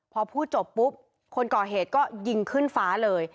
พอพูดจบปุ๊บคนก่อเหตุก็ยิงขึ้นฟ้าเลย